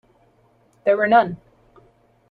There were none.